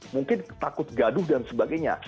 mungkin takut gaduh dan sebagainya